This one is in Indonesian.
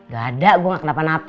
gak ada gue gak kenapa napa